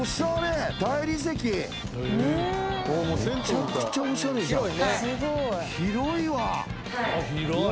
めちゃくちゃおしゃれじゃん。